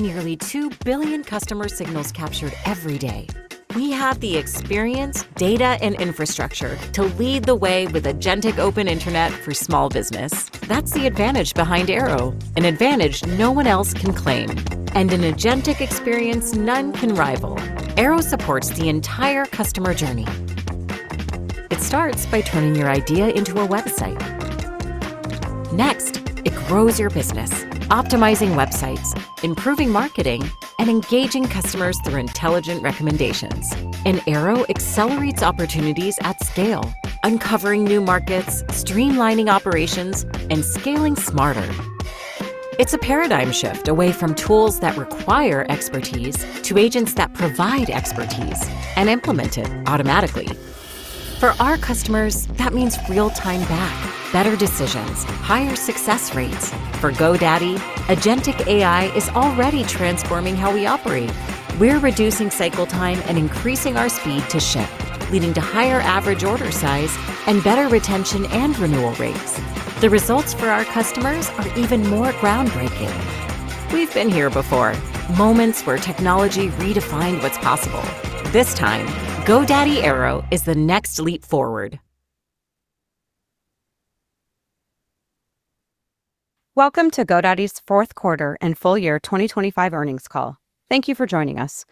Nearly 2 billion customer signals captured every day. We have the experience, data, and infrastructure to lead the way with agentic open internet for small business. That's the advantage behind Airo, an advantage no one else can claim, and an agentic experience none can rival. Airo supports the entire customer journey. It starts by turning your idea into a website. Next, it grows your business, optimizing websites, improving marketing, and engaging customers through intelligent recommendations. Airo accelerates opportunities at scale, uncovering new markets, streamlining operations, and scaling smarter. It's a paradigm shift away from tools that require expertise to agents that provide expertise and implement it automatically. For our customers, that means real time back, better decisions, higher success rates. For GoDaddy, agentic AI is already transforming how we operate. We're reducing cycle time and increasing our speed to ship, leading to higher average order size and better retention and renewal rates. The results for our customers are even more groundbreaking. We've been here before, moments where technology redefined what's possible. This time, GoDaddy Airo is the next leap forward. Welcome to GoDaddy's fourth quarter and full year 2025 earnings call. Thank you for joining us.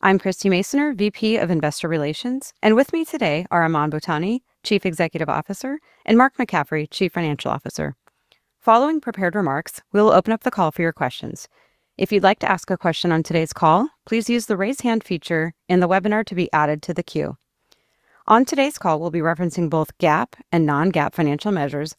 I'm Christie Masoner, VP of Investor Relations, and with me today are Aman Bhutani, Chief Executive Officer, and Mark McCaffrey, Chief Financial Officer. Following prepared remarks, we will open up the call for your questions. If you'd like to ask a question on today's call, please use the Raise Hand feature in the webinar to be added to the queue. On today's call, we'll be referencing both GAAP and non-GAAP financial measures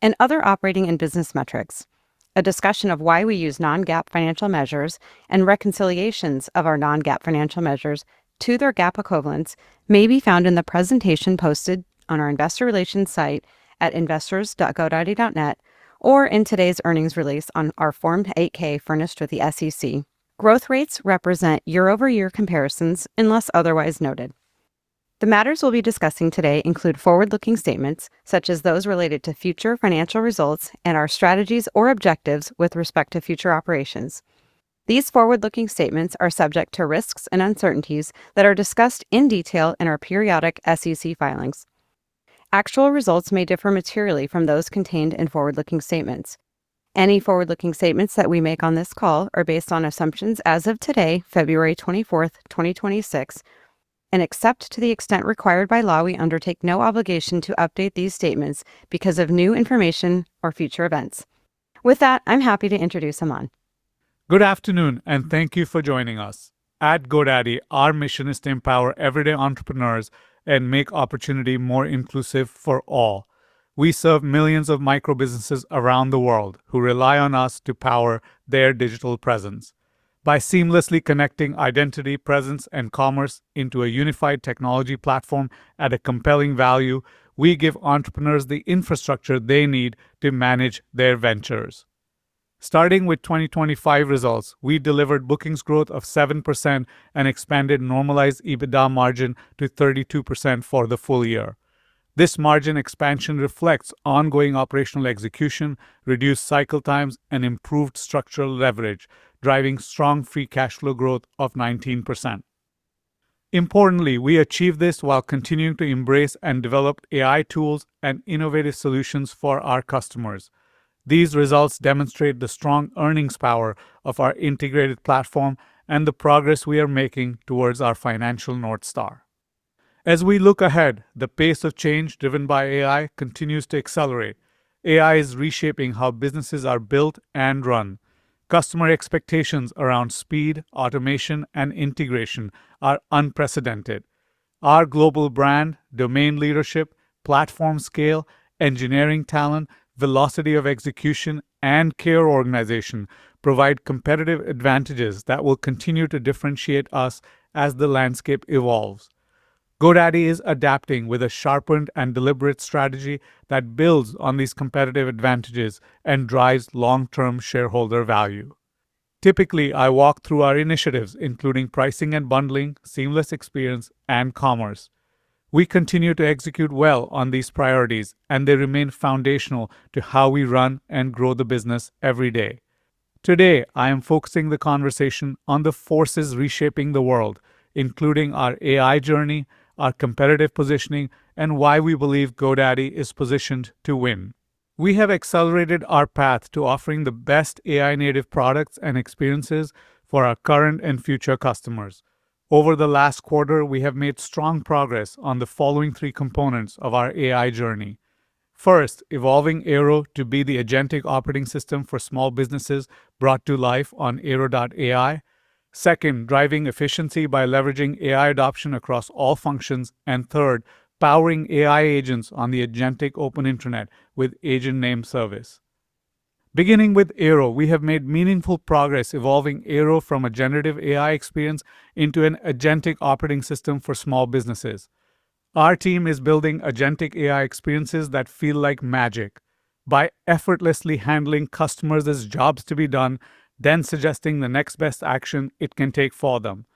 and other operating and business metrics. A discussion of why we use non-GAAP financial measures and reconciliations of our non-GAAP financial measures to their GAAP equivalents may be found in the presentation posted on our investor relations site at investors.godaddy.net or in today's earnings release on our Form 8-K furnished with the SEC. Growth rates represent year-over-year comparisons unless otherwise noted. The matters we'll be discussing today include forward-looking statements, such as those related to future financial results and our strategies or objectives with respect to future operations. These forward-looking statements are subject to risks and uncertainties that are discussed in detail in our periodic SEC filings. Actual results may differ materially from those contained in forward-looking statements. Any forward-looking statements that we make on this call are based on assumptions as of today, February 24th, 2026, and except to the extent required by law, we undertake no obligation to update these statements because of new information or future events. With that, I'm happy to introduce Aman. Good afternoon, and thank you for joining us. At GoDaddy, our mission is to empower everyday entrepreneurs and make opportunity more inclusive for all. We serve millions of micro-businesses around the world who rely on us to power their digital presence. By seamlessly connecting identity, presence, and commerce into a unified technology platform at a compelling value, we give entrepreneurs the infrastructure they need to manage their ventures. Starting with 2025 results, we delivered bookings growth of 7% and expanded Normalized EBITDA margin to 32% for the full year. This margin expansion reflects ongoing operational execution, reduced cycle times, and improved structural leverage, driving strong free cash flow growth of 19%. Importantly, we achieved this while continuing to embrace and develop AI tools and innovative solutions for our customers. These results demonstrate the strong earnings power of our integrated platform and the progress we are making towards our financial North Star. As we look ahead, the pace of change driven by AI continues to accelerate. AI is reshaping how businesses are built and run. Customer expectations around speed, automation, and integration are unprecedented. Our global brand, domain leadership, platform scale, engineering talent, velocity of execution, and care organization provide competitive advantages that will continue to differentiate us as the landscape evolves. GoDaddy is adapting with a sharpened and deliberate strategy that builds on these competitive advantages and drives long-term shareholder value. Typically, I walk through our initiatives, including pricing and bundling, seamless experience, and commerce. We continue to execute well on these priorities, and they remain foundational to how we run and grow the business every day. Today, I am focusing the conversation on the forces reshaping the world, including our AI journey, our competitive positioning, and why we believe GoDaddy is positioned to win. We have accelerated our path to offering the best AI-native products and experiences for our current and future customers. Over the last quarter, we have made strong progress on the following three components of our AI journey. First, evolving Airo to be the agentic operating system for small businesses brought to life on Airo.ai. Second, driving efficiency by leveraging AI adoption across all functions. Third, powering AI agents on the agentic open internet with Agent Name Service. Beginning with Airo, we have made meaningful progress evolving Airo from a generative AI experience into an agentic operating system for small businesses. Our team is building agentic AI experiences that feel like magic by effortlessly handling customers' jobs to be done, then suggesting the next best action it can take for them.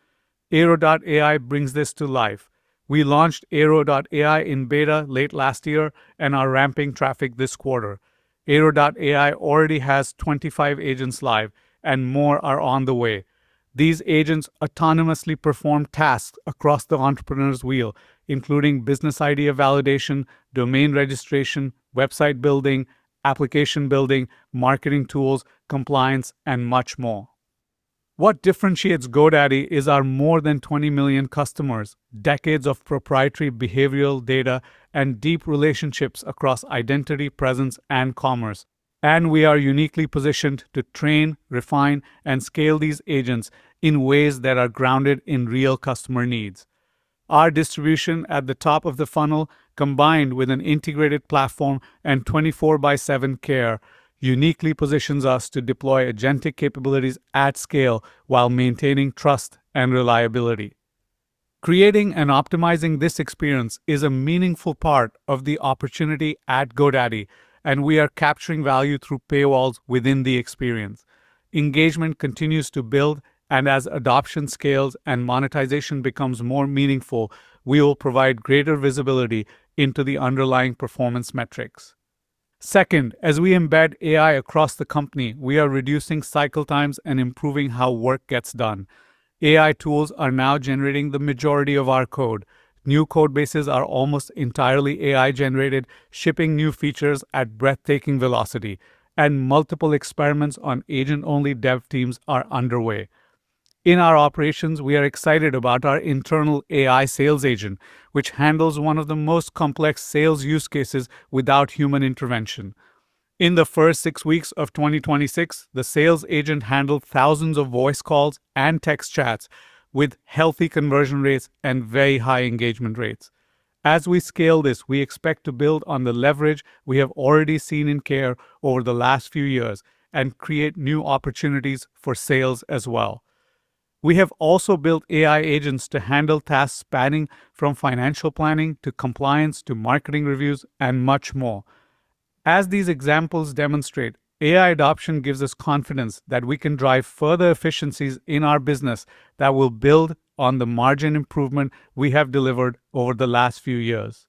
Airo.ai brings this to life. We launched Airo.ai in beta late last year and are ramping traffic this quarter. Airo.ai already has 25 agents live, and more are on the way. These agents autonomously perform tasks across the entrepreneur's wheel, including business idea validation, domain registration, website building, application building, marketing tools, compliance, and much more. What differentiates GoDaddy is our more than 20 million customers, decades of proprietary behavioral data, and deep relationships across identity, presence, and commerce. We are uniquely positioned to train, refine, and scale these agents in ways that are grounded in real customer needs. Our distribution at the top of the funnel, combined with an integrated platform and 24 by 7 care, uniquely positions us to deploy agentic capabilities at scale while maintaining trust and reliability. Creating and optimizing this experience is a meaningful part of the opportunity at GoDaddy, and we are capturing value through paywalls within the experience. Engagement continues to build, and as adoption scales and monetization becomes more meaningful, we will provide greater visibility into the underlying performance metrics. Second, as we embed AI across the company, we are reducing cycle times and improving how work gets done. AI tools are now generating the majority of our code. New code bases are almost entirely AI-generated, shipping new features at breathtaking velocity, and multiple experiments on agent-only dev teams are underway. In our operations, we are excited about our internal AI sales agent, which handles one of the most complex sales use cases without human intervention. In the first six weeks of 2026, the sales agent handled thousands of voice calls and text chats with healthy conversion rates and very high engagement rates. As we scale this, we expect to build on the leverage we have already seen in care over the last few years and create new opportunities for sales as well. We have also built AI agents to handle tasks spanning from financial planning, to compliance, to marketing reviews, and much more. As these examples demonstrate, AI adoption gives us confidence that we can drive further efficiencies in our business that will build on the margin improvement we have delivered over the last few years.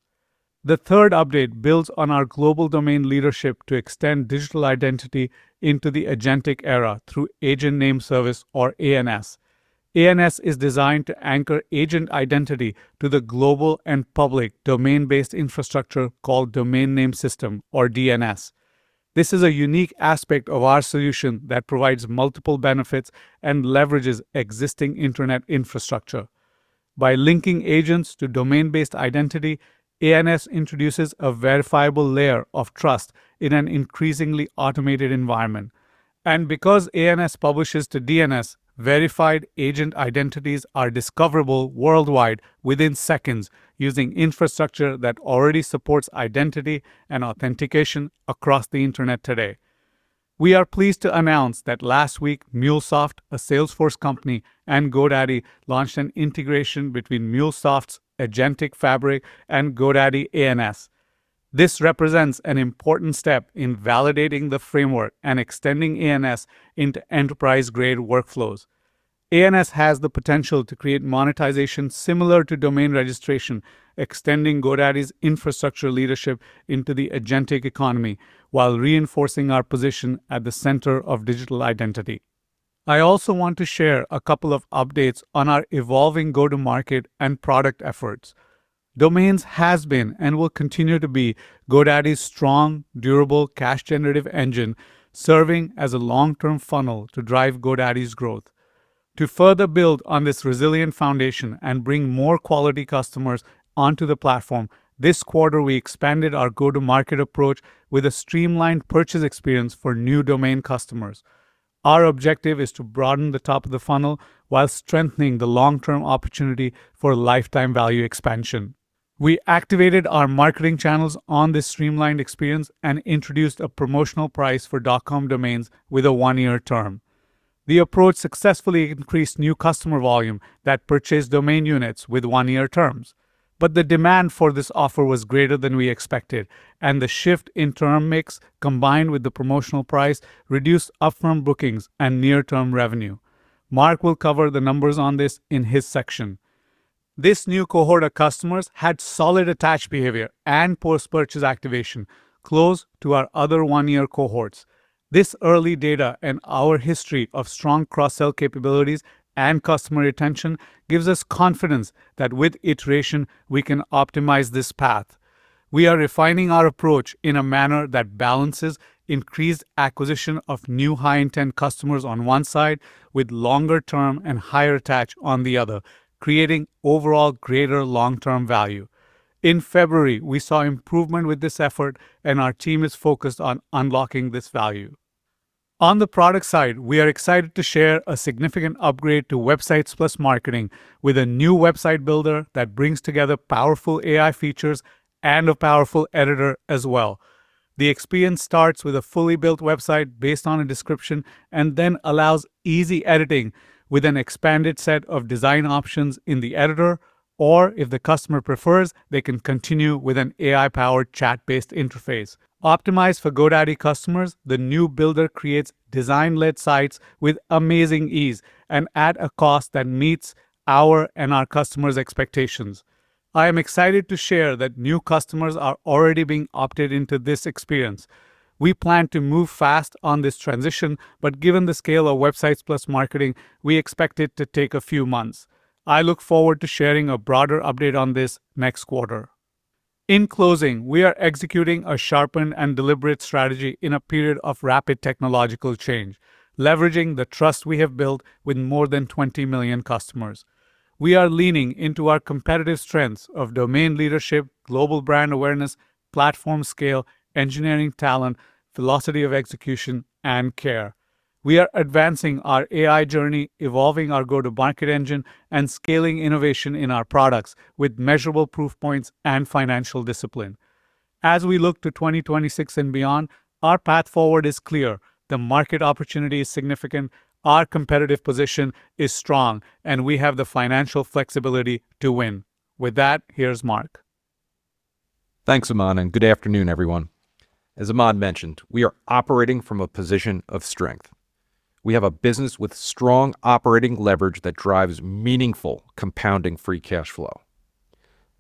The third update builds on our global domain leadership to extend digital identity into the agentic era through Agent Name Service or ANS. ANS is designed to anchor agent identity to the global and public domain-based infrastructure called Domain Name System or DNS. This is a unique aspect of our solution that provides multiple benefits and leverages existing internet infrastructure. By linking agents to domain-based identity, ANS introduces a verifiable layer of trust in an increasingly automated environment. Because ANS publishes to DNS, verified agent identities are discoverable worldwide within seconds, using infrastructure that already supports identity and authentication across the internet today. We are pleased to announce that last week, MuleSoft, a Salesforce company, and GoDaddy launched an integration between MuleSoft's Agent Fabric and GoDaddy ANS. This represents an important step in validating the framework and extending ANS into enterprise-grade workflows. ANS has the potential to create monetization similar to domain registration, extending GoDaddy's infrastructure leadership into the agentic economy while reinforcing our position at the center of digital identity. I also want to share a couple of updates on our evolving go-to-market and product efforts. Domains has been and will continue to be GoDaddy's strong, durable, cash-generative engine, serving as a long-term funnel to drive GoDaddy's growth. To further build on this resilient foundation and bring more quality customers onto the platform, this quarter, we expanded our go-to-market approach with a streamlined purchase experience for new domain customers. Our objective is to broaden the top of the funnel while strengthening the long-term opportunity for lifetime value expansion. We activated our marketing channels on this streamlined experience and introduced a promotional price for .com domains with a one-year term. The approach successfully increased new customer volume that purchased domain units with one-year terms. The demand for this offer was greater than we expected, and the shift in term mix, combined with the promotional price, reduced upfront bookings and near-term revenue. Mark will cover the numbers on this in his section. This new cohort of customers had solid attach behavior and post-purchase activation, close to our other one-year cohorts. This early data and our history of strong cross-sell capabilities and customer retention gives us confidence that with iteration, we can optimize this path. We are refining our approach in a manner that balances increased acquisition of new high-intent customers on one side with longer term and higher attach on the other, creating overall greater long-term value. In February, we saw improvement with this effort, and our team is focused on unlocking this value. On the product side, we are excited to share a significant upgrade to Websites + Marketing with a new website builder that brings together powerful AI features and a powerful editor as well. The experience starts with a fully built website based on a description, and then allows easy editing with an expanded set of design options in the editor, or if the customer prefers, they can continue with an AI-powered chat-based interface. Optimized for GoDaddy customers, the new builder creates design-led sites with amazing ease and at a cost that meets our and our customers' expectations. I am excited to share that new customers are already being opted into this experience. We plan to move fast on this transition, given the scale of Websites + Marketing, we expect it to take a few months. I look forward to sharing a broader update on this next quarter. In closing, we are executing a sharpened and deliberate strategy in a period of rapid technological change, leveraging the trust we have built with more than 20 million customers. We are leaning into our competitive strengths of domain leadership, global brand awareness, platform scale, engineering talent, velocity of execution, and care. We are advancing our AI journey, evolving our go-to-market engine, and scaling innovation in our products with measurable proof points and financial discipline. As we look to 2026 and beyond, our path forward is clear. The market opportunity is significant, our competitive position is strong, and we have the financial flexibility to win. With that, here's Mark. Thanks, Aman. Good afternoon, everyone. As Aman mentioned, we are operating from a position of strength. We have a business with strong operating leverage that drives meaningful compounding free cash flow.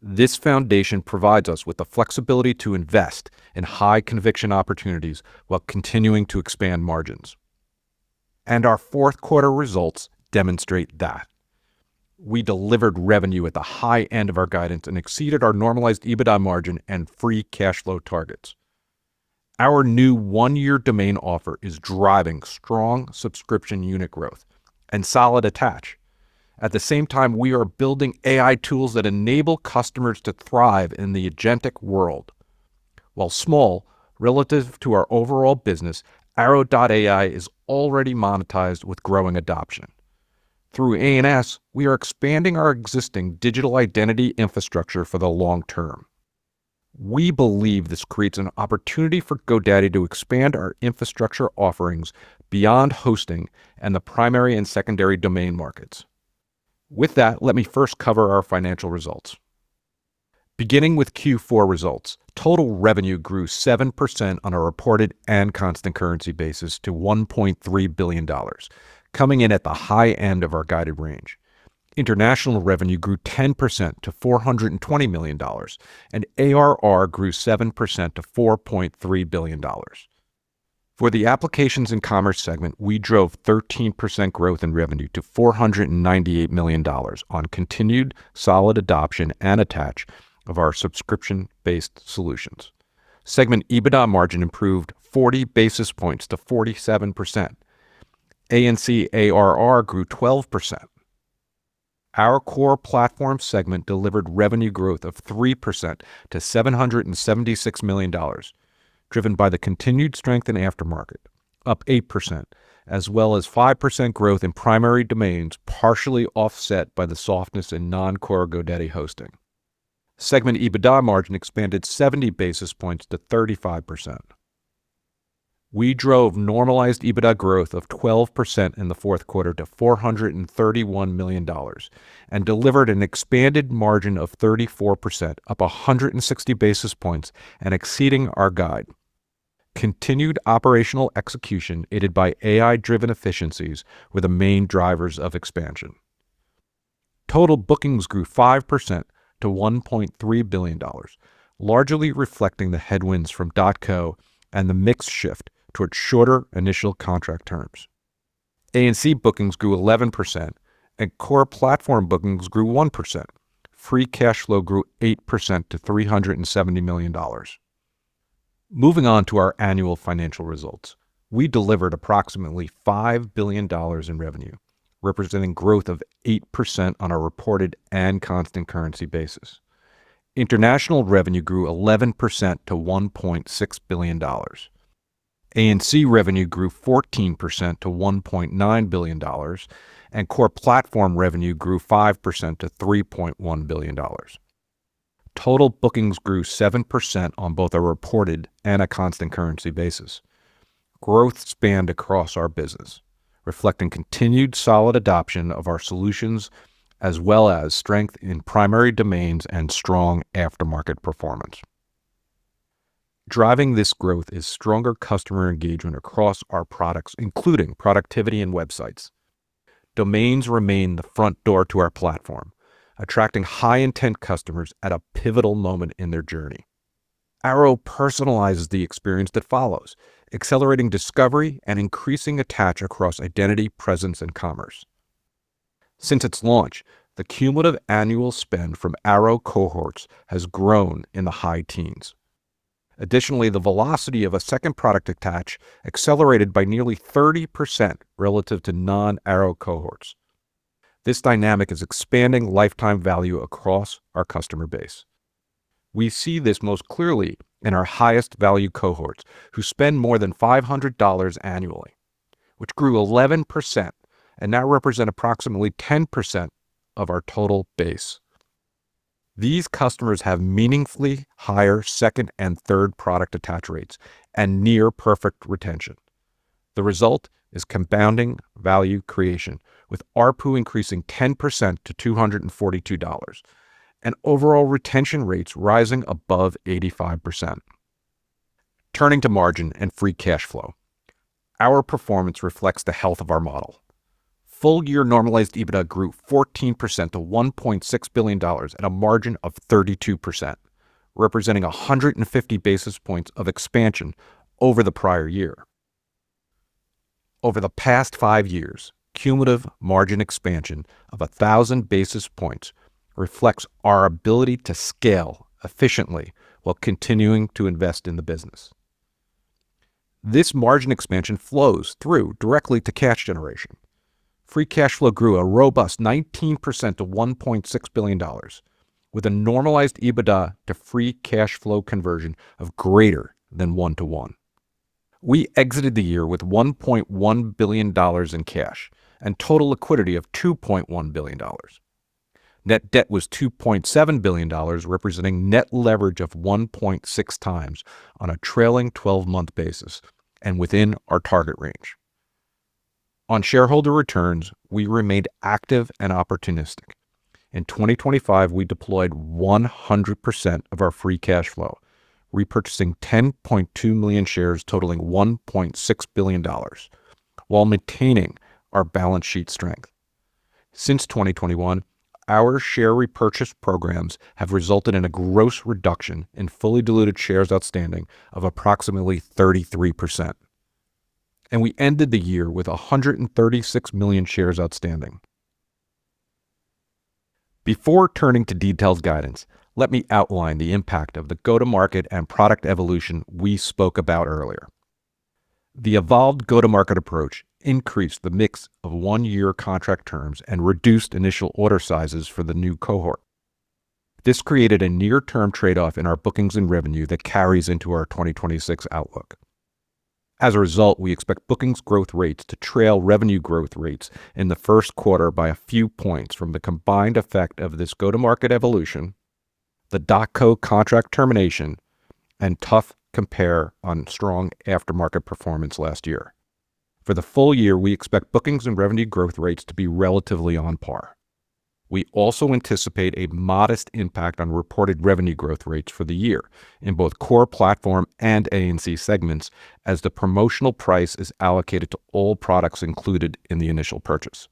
This foundation provides us with the flexibility to invest in high conviction opportunities while continuing to expand margins, and our fourth quarter results demonstrate that. We delivered revenue at the high end of our guidance and exceeded our Normalized EBITDA margin and free cash flow targets. Our new one-year domain offer is driving strong subscription unit growth and solid attach. At the same time, we are building AI tools that enable customers to thrive in the agentic world. While small relative to our overall business, Airo.ai is already monetized with growing adoption. Through ANS, we are expanding our existing digital identity infrastructure for the long term. We believe this creates an opportunity for GoDaddy to expand our infrastructure offerings beyond hosting and the primary and secondary domain markets. Let me first cover our financial results. Beginning with Q4 results, total revenue grew 7% on a reported and constant currency basis to $1.3 billion, coming in at the high end of our guided range. International revenue grew 10% to $420 million, and ARR grew 7% to $4.3 billion. For the Applications and Commerce segment, we drove 13% growth in revenue to $498 million on continued solid adoption and attach of our subscription-based solutions. Segment EBITDA margin improved 40 basis points to 47%. ANC ARR grew 12%. Our Core Platform segment delivered revenue growth of 3% to $776 million, driven by the continued strength in aftermarket, up 8%, as well as 5% growth in primary domains, partially offset by the softness in non-core GoDaddy hosting. Segment EBITDA margin expanded 70 basis points to 35%. We drove Normalized EBITDA growth of 12% in the fourth quarter to $431 million and delivered an expanded margin of 34%, up 160 basis points and exceeding our guide. Continued operational execution, aided by AI-driven efficiencies, were the main drivers of expansion. Total bookings grew 5% to $1.3 billion, largely reflecting the headwinds from .co and the mix shift towards shorter initial contract terms. ANC bookings grew 11%, and Core Platform bookings grew 1%. Free cash flow grew 8% to $370 million. Moving on to our annual financial results, we delivered approximately $5 billion in revenue, representing growth of 8% on a reported and constant currency basis. International revenue grew 11% to $1.6 billion. ANC revenue grew 14% to $1.9 billion, and Core Platform revenue grew 5% to $3.1 billion. Total bookings grew 7% on both a reported and a constant currency basis. Growth spanned across our business, reflecting continued solid adoption of our solutions, as well as strength in primary domains and strong aftermarket performance. Driving this growth is stronger customer engagement across our products, including productivity and websites. Domains remain the front door to our platform, attracting high-intent customers at a pivotal moment in their journey. Airo personalizes the experience that follows, accelerating discovery and increasing attach across identity, presence, and commerce. Since its launch, the cumulative annual spend from Airo cohorts has grown in the high teens. The velocity of a second product attach accelerated by nearly 30% relative to non-Airo cohorts. This dynamic is expanding lifetime value across our customer base. We see this most clearly in our highest value cohorts, who spend more than $500 annually, which grew 11% and now represent approximately 10% of our total base. These customers have meaningfully higher second and third product attach rates and near-perfect retention. The result is compounding value creation, with ARPU increasing 10% to $242, and overall retention rates rising above 85%. Turning to margin and free cash flow, our performance reflects the health of our model. Full-year Normalized EBITDA grew 14% to $1.6 billion at a margin of 32%, representing 150 basis points of expansion over the prior year. Over the past five years, cumulative margin expansion of 1,000 basis points reflects our ability to scale efficiently while continuing to invest in the business. This margin expansion flows through directly to cash generation. Free cash flow grew a robust 19% to $1.6 billion, with a Normalized EBITDA to free cash flow conversion of greater than 1:1. We exited the year with $1.1 billion in cash and total liquidity of $2.1 billion. Net debt was $2.7 billion, representing net leverage of 1.6x on a trailing twelve-month basis and within our target range. On shareholder returns, we remained active and opportunistic. In 2025, we deployed 100% of our free cash flow, repurchasing 10.2 million shares totaling $1.6 billion, while maintaining our balance sheet strength. Since 2021, our share repurchase programs have resulted in a gross reduction in fully diluted shares outstanding of approximately 33%, and we ended the year with 136 million shares outstanding. Before turning to detailed guidance, let me outline the impact of the go-to-market and product evolution we spoke about earlier. The evolved go-to-market approach increased the mix of one-year contract terms and reduced initial order sizes for the new cohort. This created a near-term trade-off in our bookings and revenue that carries into our 2026 outlook. As a result, we expect bookings growth rates to trail revenue growth rates in the first quarter by a few points from the combined effect of this go-to-market evolution, the .co contract termination, and tough compare on strong aftermarket performance last year. For the full year, we expect bookings and revenue growth rates to be relatively on par. We also anticipate a modest impact on reported revenue growth rates for the year in both Core Platform and ANC segments as the promotional price is allocated to all products included in the initial purchase.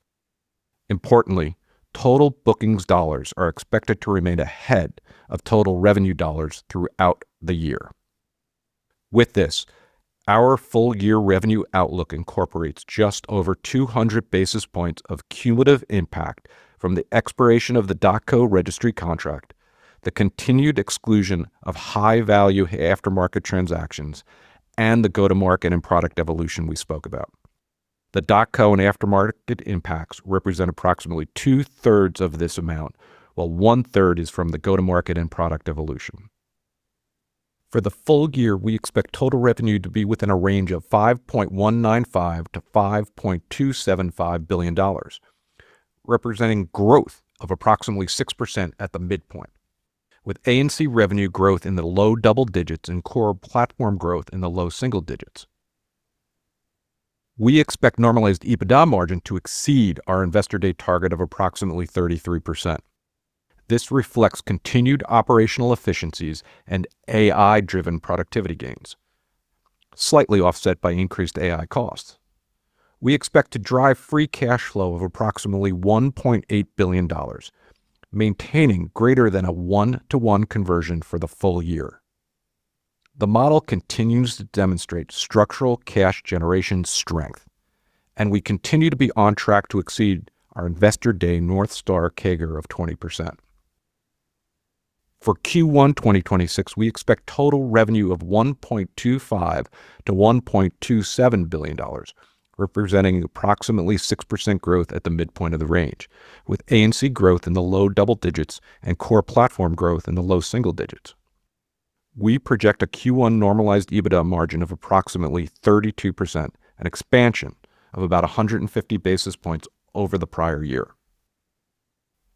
Importantly, total bookings dollars are expected to remain ahead of total revenue dollars throughout the year. With this, our full-year revenue outlook incorporates just over 200 basis points of cumulative impact from the expiration of the .co registry contract, the continued exclusion of high-value aftermarket transactions, and the go-to-market and product evolution we spoke about. The .co and aftermarket impacts represent approximately two-thirds of this amount, while one-third is from the go-to-market and product evolution. For the full year, we expect total revenue to be within a range of $5.195 billion-$5.275 billion, representing growth of approximately 6% at the midpoint, with ANC revenue growth in the low double digits and Core Platform growth in the low single digits. We expect Normalized EBITDA margin to exceed our Investor Day target of approximately 33%. This reflects continued operational efficiencies and AI-driven productivity gains, slightly offset by increased AI costs. We expect to drive free cash flow of approximately $1.8 billion, maintaining greater than a 1:1 conversion for the full year. The model continues to demonstrate structural cash generation strength. We continue to be on track to exceed our Investor Day North Star CAGR of 20%. For Q1 2026, we expect total revenue of $1.25 billion-$1.27 billion, representing approximately 6% growth at the midpoint of the range, with ANC growth in the low double digits and Core Platform growth in the low single digits. We project a Q1 Normalized EBITDA margin of approximately 32%, an expansion of about 150 basis points over the prior year.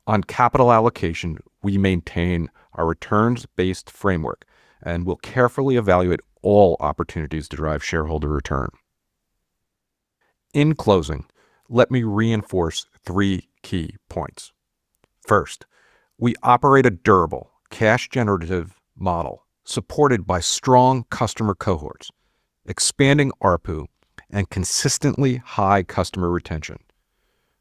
On capital allocation, we maintain our returns-based framework and will carefully evaluate all opportunities to drive shareholder return. In closing, let me reinforce three key points. First, we operate a durable, cash-generative model supported by strong customer cohorts, expanding ARPU, and consistently high customer retention.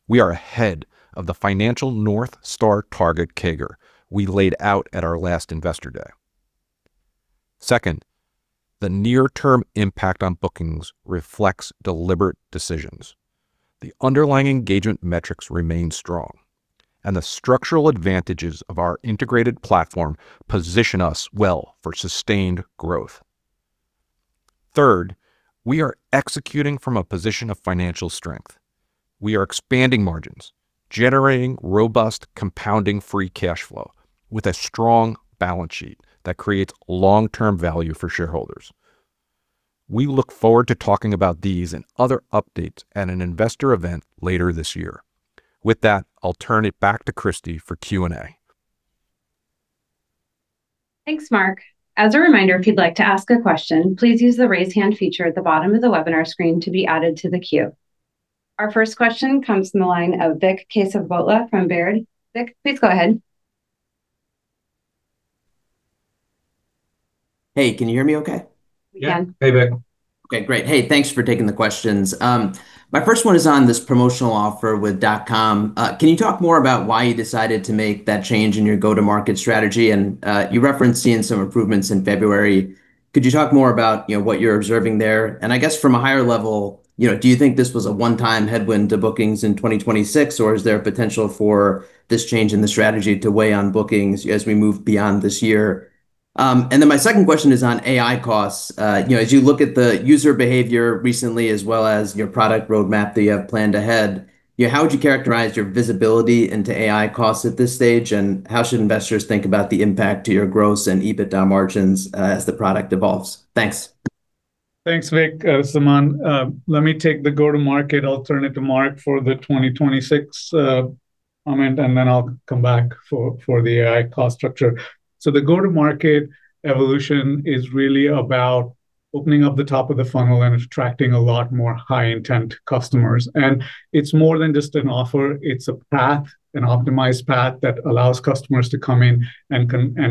We are ahead of the financial North Star target CAGR we laid out at our last Investor Day. Second, the near-term impact on bookings reflects deliberate decisions. The underlying engagement metrics remain strong, and the structural advantages of our integrated platform position us well for sustained growth. Third, we are executing from a position of financial strength. We are expanding margins, generating robust, compounding free cash flow with a strong balance sheet that creates long-term value for shareholders. We look forward to talking about these and other updates at an investor event later this year. With that, I'll turn it back to Christie for Q&A. Thanks, Mark. As a reminder, if you'd like to ask a question, please use the Raise Hand feature at the bottom of the webinar screen to be added to the queue. Our first question comes from the line of Vik Kesavabhotla from Baird. Vik, please go ahead. Hey, can you hear me okay? We can. Yeah. Hey, Vik. Okay, great. Hey, thanks for taking the questions. My first one is on this promotional offer with .com. Can you talk more about why you decided to make that change in your go-to-market strategy? You referenced seeing some improvements in February. Could you talk more about, you know, what you're observing there? I guess from a higher level, you know, do you think this was a one-time headwind to bookings in 2026, or is there potential for this change in the strategy to weigh on bookings as we move beyond this year? My second question is on AI costs. You know, as you look at the user behavior recently, as well as your product roadmap that you have planned ahead, how would you characterize your visibility into AI costs at this stage? How should investors think about the impact to your gross and EBITDA margins as the product evolves? Thanks. Thanks, Vik, Zaman. Let me take the go-to-market. I'll turn it to Mark for the 2026 comment, then I'll come back for the AI cost structure. The go-to-market evolution is really about opening up the top of the funnel and attracting a lot more high-intent customers. It's more than just an offer, it's a path, an optimized path, that allows customers to come in and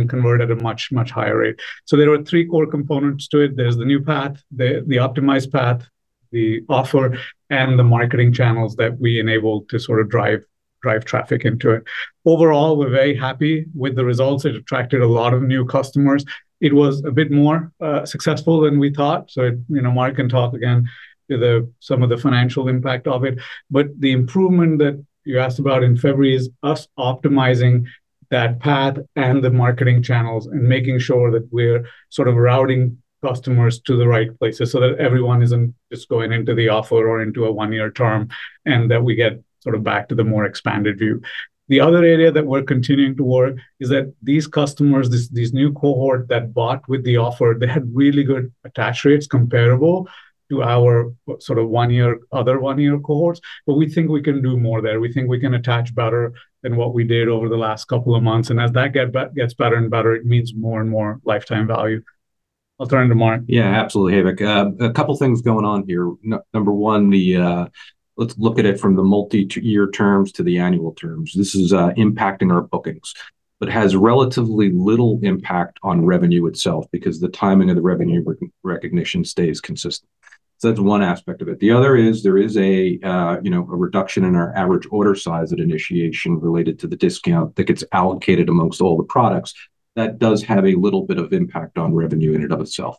convert at a much, much higher rate. There are three core components to it. There's the new path, the optimized path, the offer, and the marketing channels that we enable to sort of drive traffic into it. Overall, we're very happy with the results. It attracted a lot of new customers. It was a bit more successful than we thought. You know, Mark can talk again to some of the financial impact of it. The improvement that you asked about in February is us optimizing that path and the marketing channels and making sure that we're sort of routing customers to the right places, so that everyone isn't just going into the offer or into a one year term, and that we get sort of back to the more expanded view. The other area that we're continuing to work is that these customers, this new cohort that bought with the offer, they had really good attach rates comparable to our sort of one year, other 1-year cohorts, but we think we can do more there. We think we can attach better than what we did over the last couple of months, and as that gets better and better, it means more and more lifetime value. I'll turn to Mark. Yeah, absolutely. Hey, Vik, a couple things going on here. Number one, the, let's look at it from the multi-year terms to the annual terms. This is impacting our bookings, but has relatively little impact on revenue itself because the timing of the revenue recognition stays consistent. That's one aspect of it. The other is, there is a, you know, a reduction in our average order size at initiation related to the discount that gets allocated amongst all the products. That does have a little bit of impact on revenue in and of itself.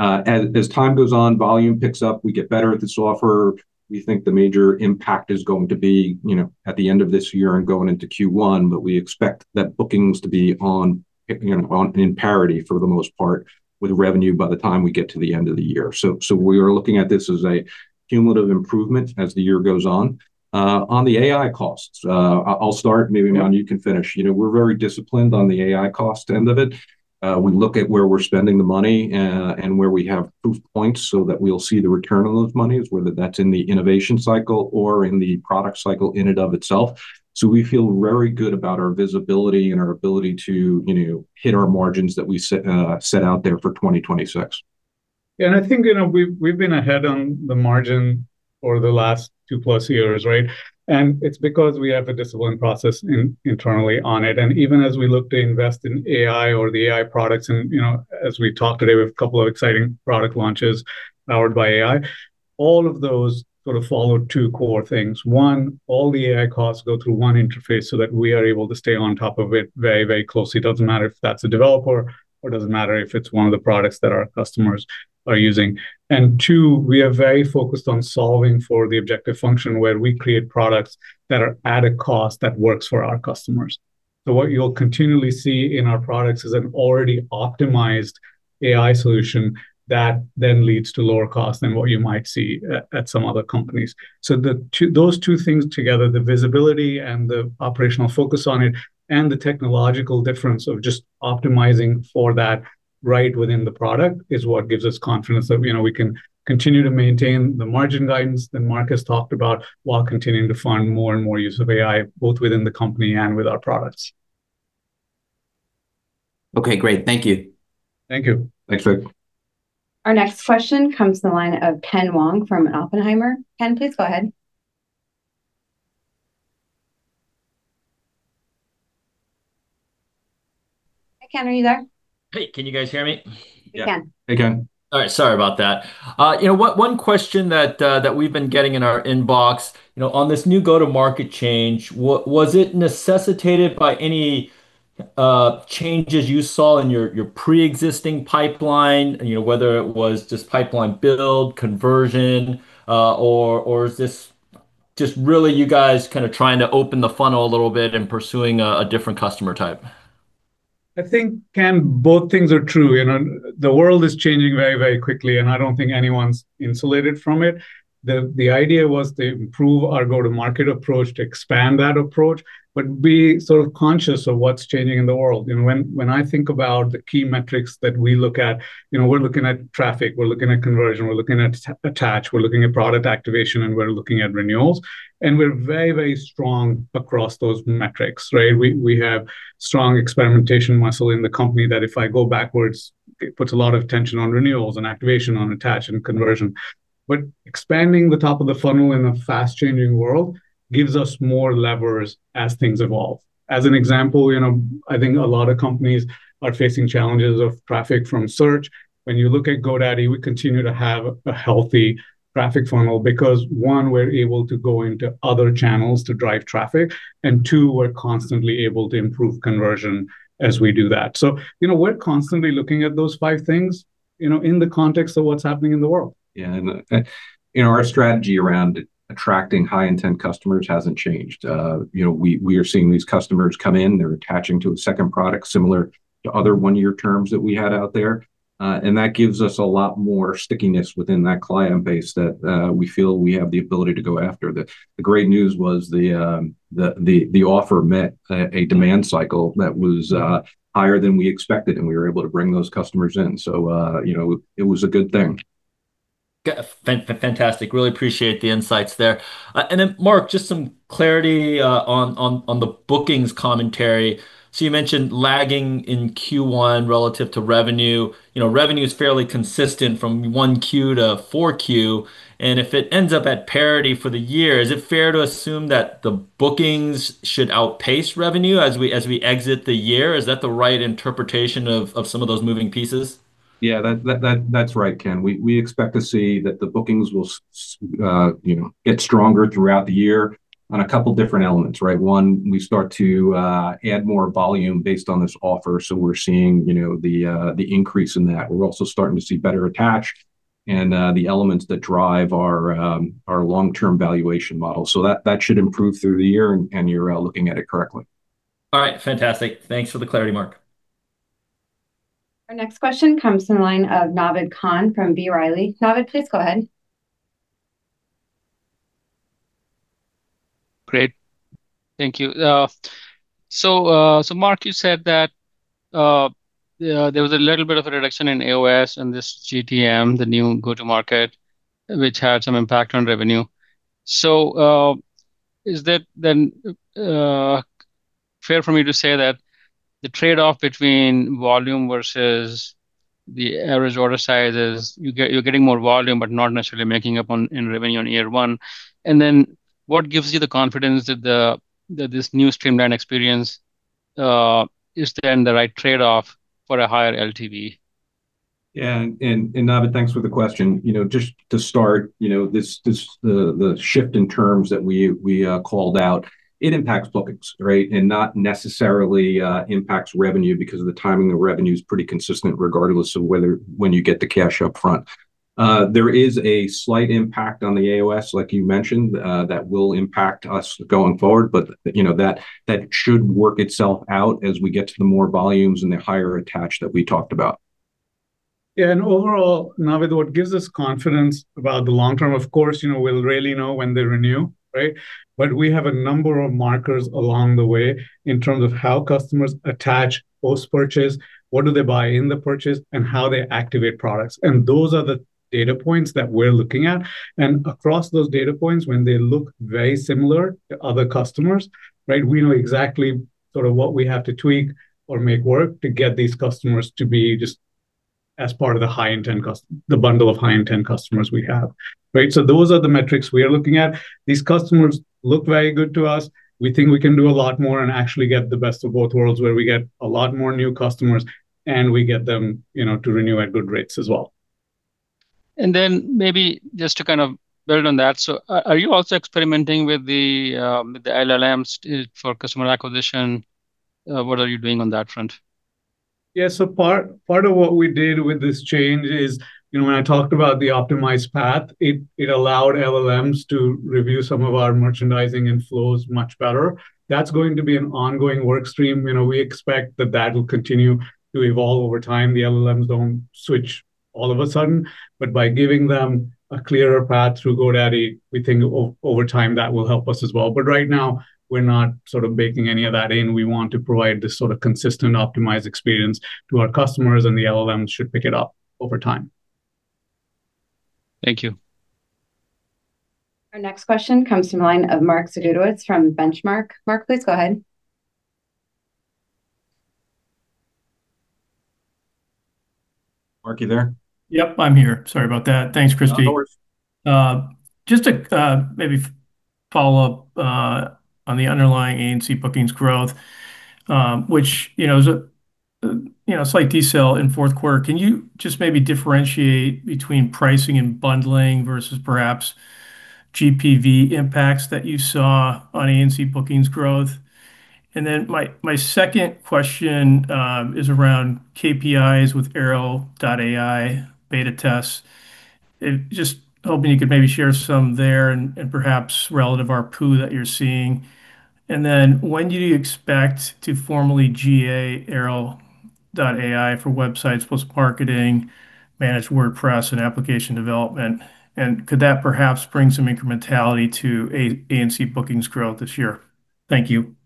As time goes on, volume picks up, we get better at this offer. We think the major impact is going to be, you know, at the end of this year and going into Q1, but we expect that bookings to be, you know, in parity for the most part, with revenue by the time we get to the end of the year. We are looking at this as a cumulative improvement as the year goes on. On the AI costs, I'll start, maybe, Aman, you can finish. You know, we're very disciplined on the AI cost end of it. We look at where we're spending the money, and where we have proof points so that we'll see the return on those monies, whether that's in the innovation cycle or in the product cycle in and of itself. We feel very good about our visibility and our ability to, you know, hit our margins that we set out there for 2026. I think, you know, we've been ahead on the margin for the last 2+ years, right? It's because we have a disciplined process in, internally on it. Even as we look to invest in AI or the AI products, and, you know, as we talked today, we have a couple of exciting product launches powered by AI. All of those sort of follow two core things. one, all the AI costs go through 1 interface so that we are able to stay on top of it very, very closely. It doesn't matter if that's a developer, or it doesn't matter if it's one of the products that our customers are using. two, we are very focused on solving for the objective function, where we create products that are at a cost that works for our customers. What you'll continually see in our products is an already optimized AI solution that then leads to lower cost than what you might see at some other companies. Those two things together, the visibility and the operational focus on it, and the technological difference of just optimizing for that right within the product, is what gives us confidence that, you know, we can continue to maintain the margin guidance that Mark has talked about, while continuing to fund more and more use of AI, both within the company and with our products. Okay, great. Thank you. Thank you. Thanks, Vik. Our next question comes to the line of Ken Wong from Oppenheimer. Ken, please go ahead. Ken, are you there? Hey, can you guys hear me? We can. Hey, Ken. All right, sorry about that. You know what, one question that we've been getting in our inbox, you know, on this new go-to-market change, was it necessitated by any changes you saw in your preexisting pipeline? You know, whether it was just pipeline build, conversion, or is this just really you guys kind of trying to open the funnel a little bit and pursuing a different customer type? ... I think, Ken, both things are true. You know, the world is changing very, very quickly, and I don't think anyone's insulated from it. The idea was to improve our go-to-market approach, to expand that approach, but be sort of conscious of what's changing in the world. You know, when I think about the key metrics that we look at, you know, we're looking at traffic, we're looking at conversion, we're looking at attach, we're looking at product activation, and we're looking at renewals. We're very, very strong across those metrics, right? We have strong experimentation muscle in the company, that if I go backwards, it puts a lot of tension on renewals and activation on attach and conversion. Expanding the top of the funnel in a fast-changing world gives us more levers as things evolve. As an example, you know, I think a lot of companies are facing challenges of traffic from search. When you look at GoDaddy, we continue to have a healthy traffic funnel because, 1, we're able to go into other channels to drive traffic, and two, we're constantly able to improve conversion as we do that. You know, we're constantly looking at those five things, you know, in the context of what's happening in the world. Yeah, you know, our strategy around attracting high-intent customers hasn't changed. You know, we are seeing these customers come in, they're attaching to a second product similar to other one-year terms that we had out there. That gives us a lot more stickiness within that client base that we feel we have the ability to go after. The great news was the offer met a demand cycle that was higher than we expected, and we were able to bring those customers in. You know, it was a good thing. Yeah, fantastic. Really appreciate the insights there. Mark, just some clarity on the bookings commentary. You mentioned lagging in Q1 relative to revenue. You know, revenue is fairly consistent from one Q to four Q. If it ends up at parity for the year, is it fair to assume that the bookings should outpace revenue as we, as we exit the year? Is that the right interpretation of some of those moving pieces? Yeah, that's right, Ken. We expect to see that the bookings will, you know, get stronger throughout the year on a couple different elements, right? One, we start to add more volume based on this offer, so we're seeing, you know, the increase in that. We're also starting to see better attach and the elements that drive our long-term valuation model. That should improve through the year, and you're looking at it correctly. All right. Fantastic. Thanks for the clarity, Mark. Our next question comes from the line of Naved Khan from B. Riley. Naved, please go ahead. Great. Thank you. Mark, you said that there was a little bit of a reduction in AOS and this GTM, the new go-to-market, which had some impact on revenue. Is that then fair for me to say that the trade-off between volume versus the average order size is you're getting more volume, but not necessarily making up on in revenue on year 1? What gives you the confidence that this new streamlined experience is then the right trade-off for a higher LTV? Yeah. Naved, thanks for the question. You know, just to start, you know, this shift in terms that we called out, it impacts bookings, right, not necessarily impacts revenue because of the timing. The revenue is pretty consistent, regardless of whether when you get the cash up front. There is a slight impact on the AOS, like you mentioned, that will impact us going forward, you know, that should work itself out as we get to the more volumes and the higher attach that we talked about. Yeah, overall, Naved, what gives us confidence about the long term, of course, you know, we'll really know when they renew, right? We have a number of markers along the way in terms of how customers attach post-purchase, what do they buy in the purchase, and how they activate products. Those are the data points that we're looking at. Across those data points, when they look very similar to other customers, right, we know exactly sort of what we have to tweak or make work to get these customers to be just as part of the bundle of high-intent customers we have, right? Those are the metrics we are looking at. These customers look very good to us. We think we can do a lot more and actually get the best of both worlds, where we get a lot more new customers, and we get them, you know, to renew at good rates as well. maybe just to kind of build on that, so are you also experimenting with the, with the LLMs for customer acquisition? What are you doing on that front? Yeah, part of what we did with this change is, you know, when I talked about the optimized path, it allowed LLMs to review some of our merchandising and flows much better. That's going to be an ongoing work stream. You know, we expect that will continue to evolve over time. The LLMs don't switch all of a sudden, by giving them a clearer path through GoDaddy, we think over time, that will help us as well. Right now, we're not sort of baking any of that in. We want to provide this sort of consistent, optimized experience to our customers, the LLMs should pick it up over time. Thank you. Our next question comes from the line of Mark Zgutowicz from Benchmark. Mark, please go ahead. Mark, you there? Yep, I'm here. Sorry about that. Thanks, Christie. No worries. Just to maybe follow up on the underlying ANC bookings growth, which, you know, is a, you know, slight decel in fourth quarter. Can you just maybe differentiate between pricing and bundling versus perhaps GPV impacts that you saw on ANC bookings growth? My second question is around KPIs with Airo.ai beta tests. Just hoping you could maybe share some there and perhaps relative ARPU that you're seeing. When do you expect to formally GA Airo.ai for Websites + Marketing, managed WordPress, and application development? Could that perhaps bring some incrementality to ANC bookings growth this year? Thank you.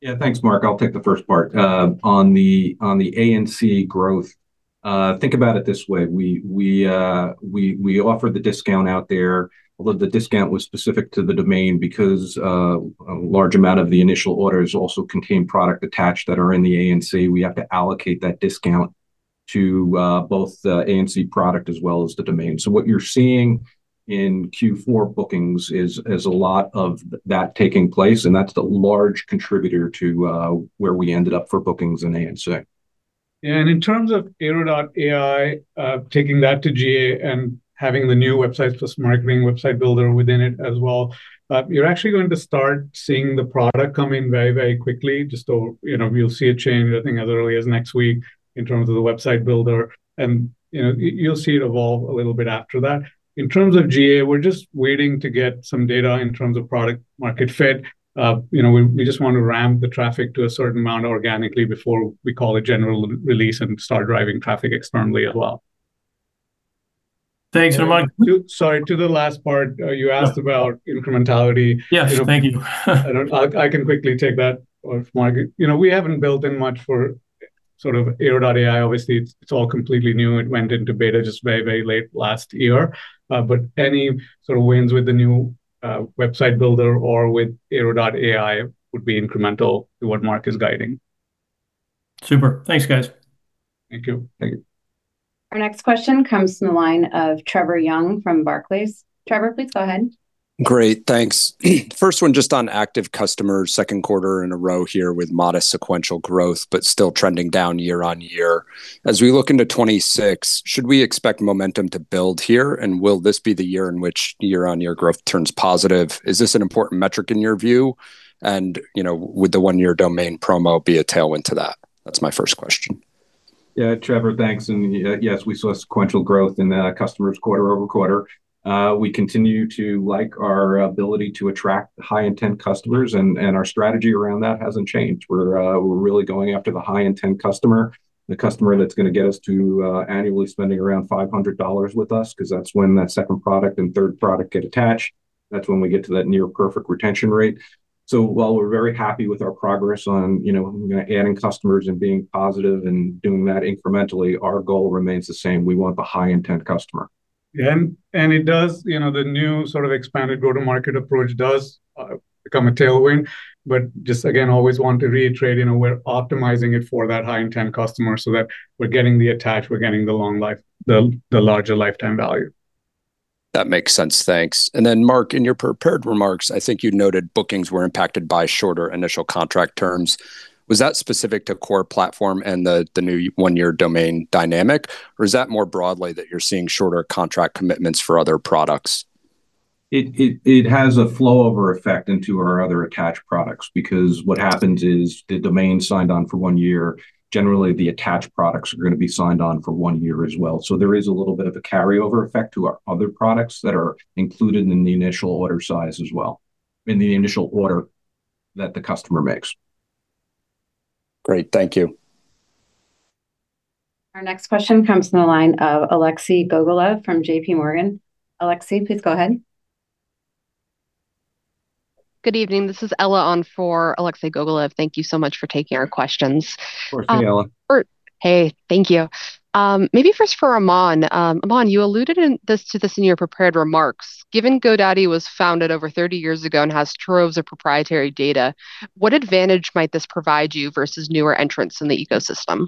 Yeah, thanks, Mark. I'll take the first part. On the ANC growth, think about it this way: we offer the discount out there, although the discount was specific to the domain because a large amount of the initial orders also contain product attached that are in the ANC. We have to allocate that discount to both the ANC product as well as the domain. What you're seeing in Q4 bookings is a lot of that taking place, and that's the large contributor to where we ended up for bookings in ANC. In terms of Airo.ai, taking that to GA and having the new Websites + Marketing website builder within it as well, you're actually going to start seeing the product coming very, very quickly. You know, you'll see a change, I think, as early as next week in terms of the website builder, and, you know, you'll see it evolve a little bit after that. In terms of GA, we're just waiting to get some data in terms of product market fit. You know, we just want to ramp the traffic to a certain amount organically before we call a general release and start driving traffic externally as well. Thanks so much. Sorry, to the last part, you asked. Sure about incrementality. Yes, thank you. I can quickly take that for Mark. You know, we haven't built in much for sort of Airo.ai. Obviously, it's all completely new. It went into beta just very, very late last year. Any sort of wins with the new website builder or with Airo.ai would be incremental to what Mark is guiding. Super. Thanks, guys. Thank you. Thank you. Our next question comes from the line of Trevor Young from Barclays. Trevor, please go ahead. Great, thanks. First one, just on active customers, second quarter in a row here with modest sequential growth, but still trending down year-on-year. As we look into 2026, should we expect momentum to build here, and will this be the year in which year-on-year growth turns positive? Is this an important metric in your view? You know, would the one-year domain promo be a tailwind to that? That's my first question. Yeah, Trevor, thanks. Yes, we saw sequential growth in the customers quarter-over-quarter. We continue to like our ability to attract high-intent customers, and our strategy around that hasn't changed. We're really going after the high-intent customer, the customer that's gonna get us to annually spending around $500 with us, 'cause that's when that second product and third product get attached. That's when we get to that near perfect retention rate. While we're very happy with our progress on, you know, adding customers and being positive and doing that incrementally, our goal remains the same. We want the high-intent customer. Yeah, it does... You know, the new sort of expanded go-to-market approach does become a tailwind. Just again, always want to reiterate, you know, we're optimizing it for that high-intent customer so that we're getting the attached, we're getting the long life, the larger lifetime value. That makes sense. Thanks. Mark, in your prepared remarks, I think you noted bookings were impacted by shorter initial contract terms. Was that specific to Core Platform and the new one-year domain dynamic, or is that more broadly that you're seeing shorter contract commitments for other products? It has a flow-over effect into our other attached products because what happens is, the domain signed on for one year, generally the attached products are gonna be signed on for one year as well. There is a little bit of a carryover effect to our other products that are included in the initial order size as well, in the initial order that the customer makes. Great, thank you. Our next question comes from the line of Alexei Gogolev from JP Morgan. Alexei, please go ahead. Good evening. This is Ella on for Alexei Gogolev. Thank you so much for taking our questions. Of course. Hey, Ella. Hey, thank you. Maybe first for Aman. Aman, you alluded in this, to this in your prepared remarks. Given GoDaddy was founded over 30 years ago and has troves of proprietary data, what advantage might this provide you versus newer entrants in the ecosystem?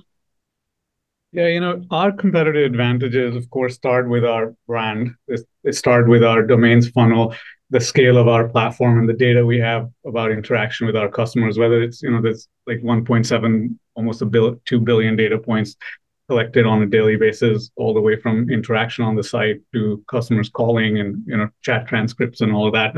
Yeah, you know, our competitive advantages, of course, start with our brand. It start with our domains funnel, the scale of our platform and the data we have about interaction with our customers, whether it's, you know, this, like, 1.7, almost 2 billion data points collected on a daily basis, all the way from interaction on the site to customers calling and, you know, chat transcripts and all of that.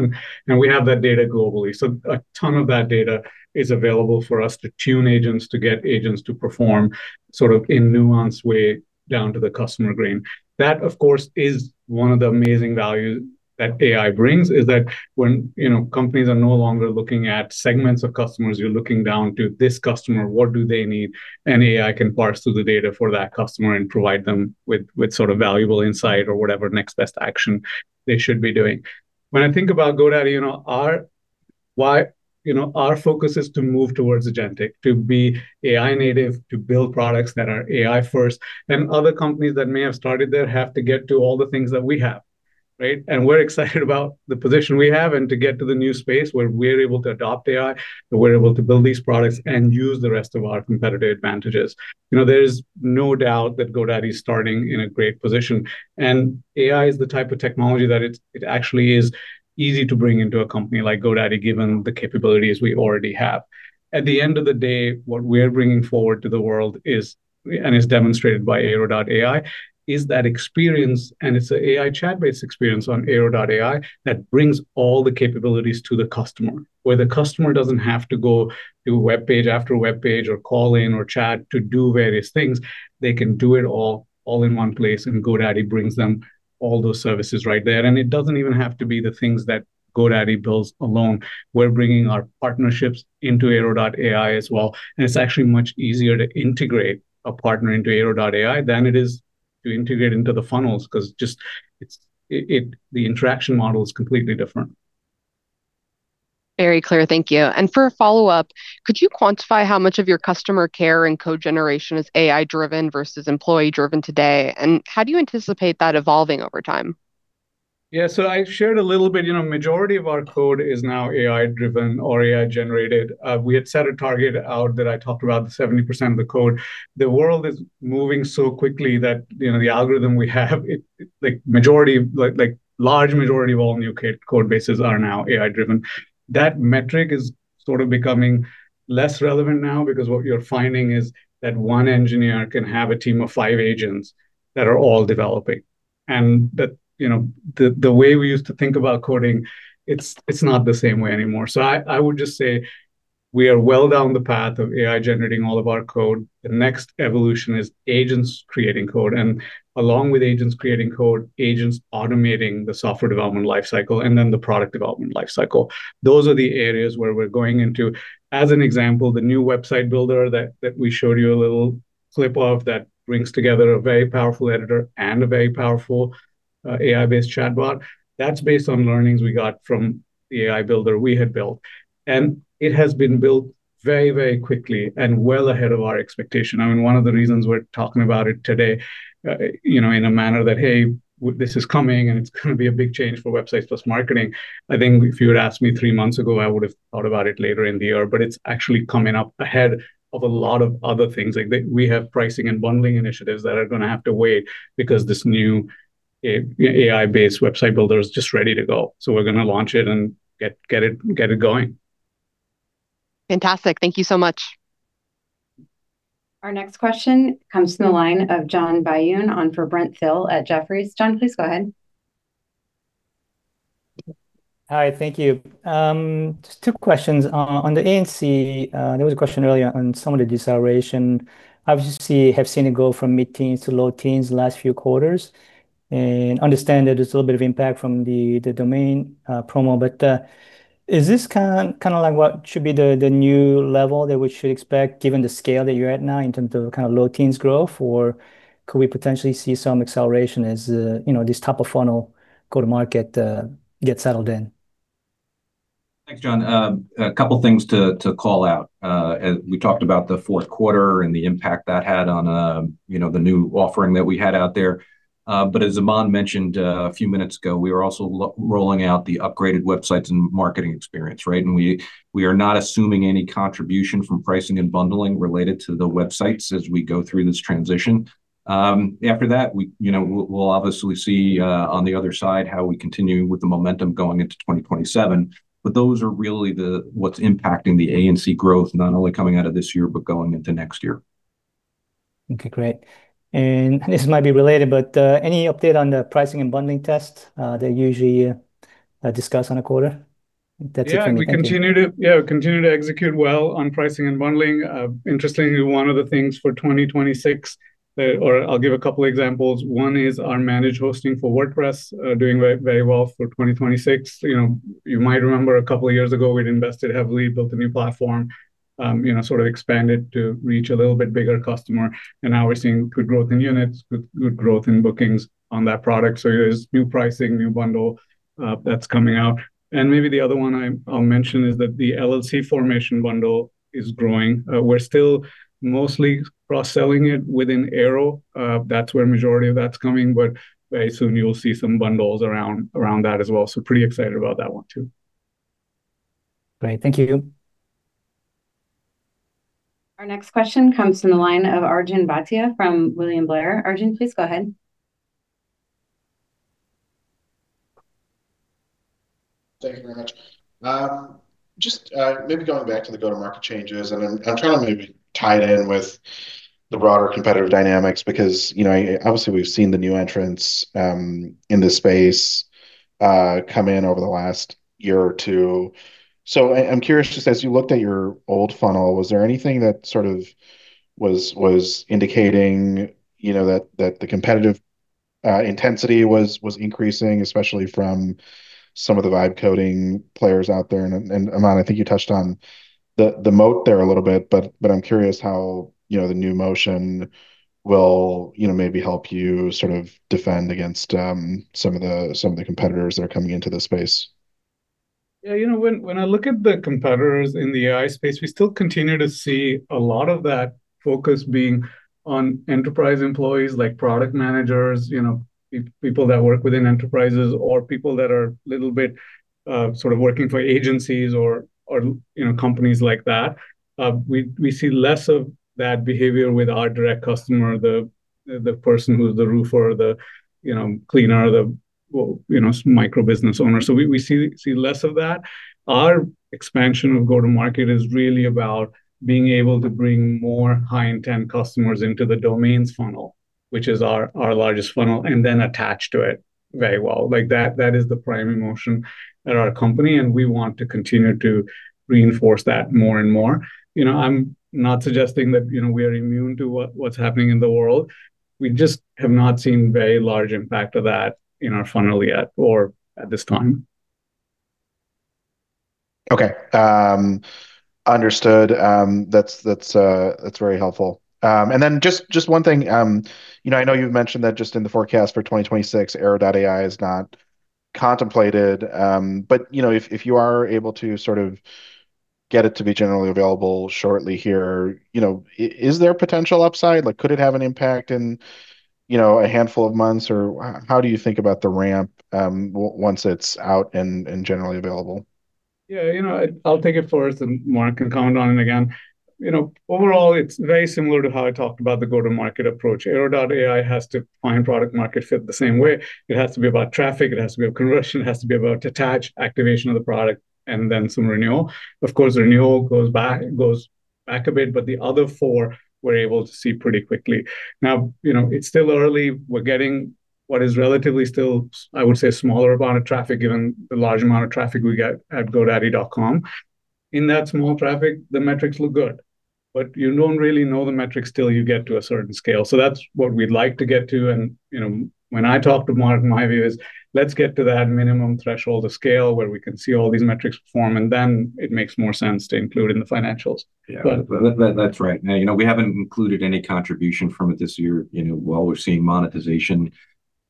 We have that data globally. A ton of that data is available for us to tune agents, to get agents to perform sort of in nuanced way down to the customer grain. That, of course, is one of the amazing value that AI brings, is that when, you know, companies are no longer looking at segments of customers, you're looking down to this customer, what do they need? AI can parse through the data for that customer and provide them with sort of valuable insight or whatever next best action they should be doing. When I think about GoDaddy, you know, our focus is to move towards agentic, to be AI native, to build products that are AI first. Other companies that may have started there have to get to all the things that we have, right? We're excited about the position we have and to get to the new space where we're able to adopt AI, and we're able to build these products and use the rest of our competitive advantages. You know, there's no doubt that GoDaddy is starting in a great position, and AI is the type of technology that it actually is easy to bring into a company like GoDaddy, given the capabilities we already have. At the end of the day, what we're bringing forward to the world is, and is demonstrated by Airo.ai, is that experience, and it's a AI chat-based experience on Airo.ai that brings all the capabilities to the customer, where the customer doesn't have to go to webpage after webpage or call in or chat to do various things. They can do it all in one place, and GoDaddy brings them all those services right there. It doesn't even have to be the things that GoDaddy builds alone. We're bringing our partnerships into Airo.ai as well, and it's actually much easier to integrate a partner into Airo.ai than it is to integrate into the funnels, 'cause just it's, it, the interaction model is completely different. Very clear. Thank you. For a follow-up, could you quantify how much of your customer care and code generation is AI-driven versus employee-driven today, and how do you anticipate that evolving over time? Yeah, I shared a little bit. You know, majority of our code is now AI-driven or AI-generated. We had set a target out that I talked about, the 70% of the code. The world is moving so quickly that, you know, the algorithm we have, it, like, majority, large majority of all new code bases are now AI-driven. That metric is sort of becoming less relevant now, because what we are finding is that one engineer can have a team of 5 agents that are all developing. That, you know, the way we used to think about coding, it's not the same way anymore. I would just say we are well down the path of AI generating all of our code. The next evolution is agents creating code, and along with agents creating code, agents automating the software development life cycle, and then the product development life cycle. Those are the areas where we're going into. As an example, the new website builder that we showed you a little clip of, that brings together a very powerful editor and a very powerful AI-based chatbot. That's based on learnings we got from the AI builder we had built. It has been built very quickly and well ahead of our expectation. I mean, one of the reasons we're talking about it today, you know, in a manner that, hey, this is coming, and it's gonna be a big change for Websites + Marketing. I think if you had asked me three months ago, I would've thought about it later in the year. It's actually coming up ahead of a lot of other things. Like, we have pricing and bundling initiatives that are gonna have to wait, because this new AI-based website builder is just ready to go. We're gonna launch it and get it going. Fantastic. Thank you so much. Our next question comes from the line of Sang-Jin Byun on for John Byun at Jefferies. John, please go ahead. Hi, thank you. Just two questions. On the ANC, there was a question earlier on some of the deceleration. Obviously, have seen it go from mid-teens to low teens the last few quarters, and understand that there's a little bit of impact from the domain promo. Is this kinda like what should be the new level that we should expect, given the scale that you're at now, in terms of kind of low teens growth? Or could we potentially see some acceleration as, you know, this top-of-funnel go-to-market gets settled in? Thanks, John. A couple things to call out. As Aman mentioned, a few minutes ago, we are also rolling out the upgraded Websites + Marketing experience. We are not assuming any contribution from pricing and bundling related to the websites as we go through this transition. After that, we, you know, we'll obviously see on the other side how we continue with the momentum going into 2027. Those are really what's impacting the ANC growth, not only coming out of this year, but going into next year. Okay, great. This might be related, but, any update on the pricing and bundling test? They usually, discuss on a quarter. That's a thing. Yeah, we continue to execute well on pricing and bundling. Interestingly, one of the things for 2026, or I'll give a couple examples. One is our Managed Hosting for WordPress, doing very, very well for 2026. You know, you might remember a couple of years ago, we'd invested heavily, built a new platform. You know, sort of expanded to reach a little bit bigger customer, and now we're seeing good growth in units, good growth in bookings on that product. There's new pricing, new bundle that's coming out. Maybe the other one I'll mention is that the LLC formation bundle is growing. We're still mostly cross-selling it within Airo. That's where majority of that's coming, but very soon you'll see some bundles around that as well. Pretty excited about that one, too. Great. Thank you. Our next question comes from the line of Arjun Bhatia from William Blair. Arjun, please go ahead. Thank you very much. Just maybe going back to the go-to-market changes, I'm trying to maybe tie it in with the broader competitive dynamics, because, you know, obviously, we've seen the new entrants in this space come in over the last year or two. I'm curious, just as you looked at your old funnel, was there anything that sort of was indicating, you know, that the competitive intensity was increasing, especially from some of the vibe coding players out there? Aman, I think you touched on the moat there a little bit, but I'm curious how, you know, the new motion will, you know, maybe help you sort of defend against some of the competitors that are coming into the space. You know, when I look at the competitors in the AI space, we still continue to see a lot of that focus being on enterprise employees, like product managers, you know, people that work within enterprises or people that are little bit sort of working for agencies or, you know, companies like that. We see less of that behavior with our direct customer, the person who's the roofer or the, you know, cleaner, the, well, you know, micro business owner. We see less of that. Our expansion of go-to-market is really about being able to bring more high-intent customers into the domains funnel, which is our largest funnel, and then attach to it very well. That, that is the primary motion at our company, and we want to continue to reinforce that more and more. You know, I'm not suggesting that, you know, we are immune to what's happening in the world. We just have not seen very large impact of that in our funnel yet or at this time. Okay, understood. That's very helpful. Just one thing, you know, I know you've mentioned that just in the forecast for 2026, Airo.ai is not contemplated, but, you know, if you are able to sort of get it to be generally available shortly here, you know, is there potential upside? Like, could it have an impact in, you know, a handful of months, or how do you think about the ramp, once it's out and generally available? Yeah, you know, I'll take it first, and Mark can comment on it again. You know, overall, it's very similar to how I talked about the go-to-market approach. Airo.ai has to find product market fit the same way. It has to be about traffic, it has to be about conversion, it has to be about attach, activation of the product, and then some renewal. Of course, renewal goes back a bit, but the other four, we're able to see pretty quickly. Now, you know, it's still early. We're getting what is relatively still, I would say, a smaller amount of traffic, given the large amount of traffic we get at godaddy.com. In that small traffic, the metrics look good, but you don't really know the metrics till you get to a certain scale. That's what we'd like to get to, and, you know, when I talk to Mark, my view is, let's get to that minimum threshold of scale where we can see all these metrics perform, and then it makes more sense to include in the financials. Yeah. That's right. You know, we haven't included any contribution from it this year. You know, while we're seeing monetization